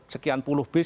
sekian puluh bis